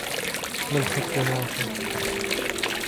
ما الخطب معك؟